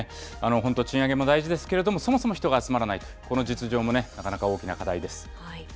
本当、賃上げも大事ですけれども、そもそも人が集まらないという、この実情もなかなか大きな課題です。